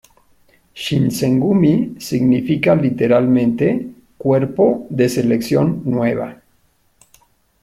Shinsengumi significa literalmente "Cuerpo de selección nueva".